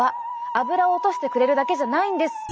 油を落としてくれるだけじゃないんです。